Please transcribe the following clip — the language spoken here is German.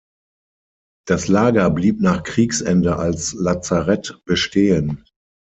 Das Lager blieb nach Kriegsende als Lazarett bestehen.